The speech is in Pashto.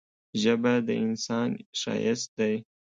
ژبه د انسان ښايست دی.